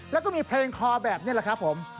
แล้วก็มีเพลงคอแบบนี้แหละครับผม